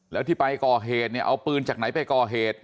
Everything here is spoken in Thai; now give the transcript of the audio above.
แล้วที่ไปก่อเหตุเนี่ยเอาปืนจากไหนไปก่อเหตุ